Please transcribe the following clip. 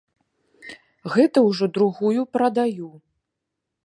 Гэта ўжо другую прадаю.